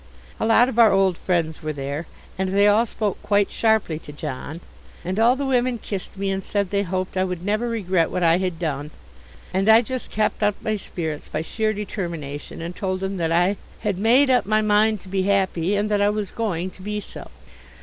A lot of our old friends were there, and they all spoke quite sharply to John, and all the women kissed me and said they hoped I would never regret what I had done, and I just kept up my spirits by sheer determination, and told them that I had made up my mind to be happy and that I was going to be so.